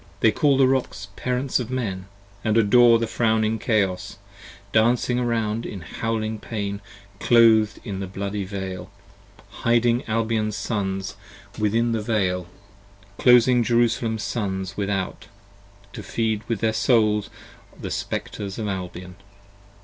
15 They call the Rocks Parents of Men, & adore the frowning Chaos, Dancing around in howling pain clothed in the bloody Veil, Hiding Albion's Sons within the Veil, closing Jerusalem's Sons without : to feed with their Souls the Spectres of Albion.